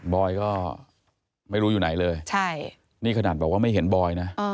อยก็ไม่รู้อยู่ไหนเลยใช่นี่ขนาดบอกว่าไม่เห็นบอยนะ